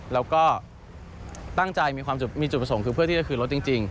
แล้วก็ตั้งใจมีความมีจุดประสงค์คือเพื่อที่จะคืนรถจริง